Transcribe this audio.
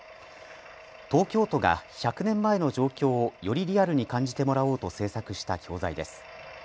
東京都が１００年前の状況をよりリアルに感じてもらおうと制作した教材です。